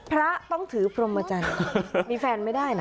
พระต้องถือพรมจันทร์มีแฟนไม่ได้นะ